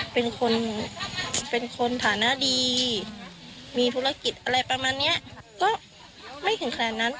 เป็นคนเป็นคนฐานะดีมีธุรกิจอะไรประมาณเนี้ยก็ไม่ถึงขนาดนั้น